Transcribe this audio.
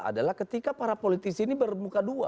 adalah ketika para politisi ini bermuka dua